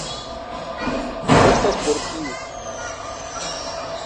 Estas por kiu?